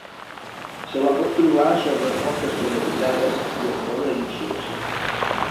Se la pot trobar sobre roques ben abrigades i amb bona insolació.